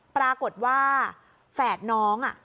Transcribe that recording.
ปรากฏว่าแฝดน้อง